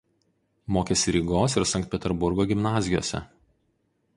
Mokėsi Rygos ir Sankt Peterburgo gimnazijose.